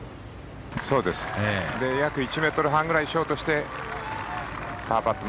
で、約１ｍ半ぐらいショートしてパーパット。